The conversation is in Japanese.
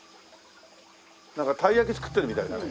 なんかたい焼き作ってるみたいだね。